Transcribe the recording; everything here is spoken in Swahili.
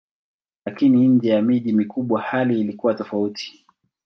Lakini nje ya miji mikubwa hali ilikuwa tofauti.